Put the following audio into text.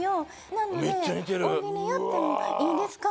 なので大喜利やってもいいですか？